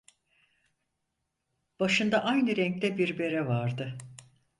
Başında aynı renkte bir bere vardı.